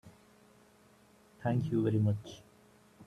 Thank you very much.